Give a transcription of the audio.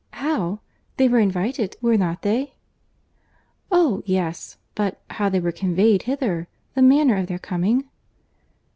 "How?—They were invited, were not they?" "Oh! yes—but how they were conveyed hither?—the manner of their coming?"